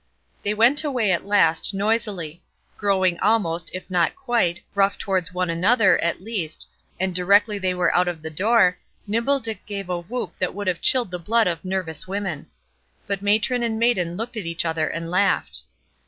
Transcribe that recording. They went away at last noisily; growing almost, if not quite, rough towards one another, at least, and directly they were out of the door, Nimble Dick gave a whoop that would have chilled the blood of nervous women. But matron and maiden looked at each other and laughed.